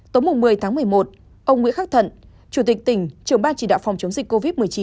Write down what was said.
tối một mươi tháng một mươi một ông nguyễn khắc thận chủ tịch tỉnh trưởng ban chỉ đạo phòng chống dịch covid một mươi chín